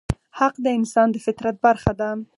حق د انسان د فطرت برخه ده.